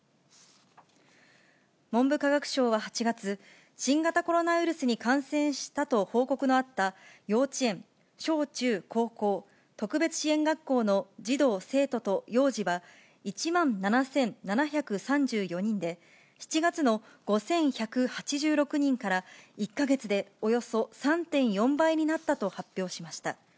文部科学省は８月、新型コロナウイルスに感染したと報告のあった幼稚園、小中高校、特別支援学校の児童・生徒と幼児は、１万７７３４人で、７月の５１８６人から１か月でおよそ３．４倍になったと発表しました。